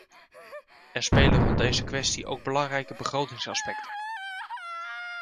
Er spelen rond deze kwestie ook belangrijke begrotingsaspecten.